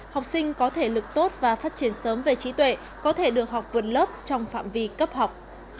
học sinh có thể lực tốt và phát triển sớm về trí tuệ có thể được học vượt lớp trong phạm vi cấp học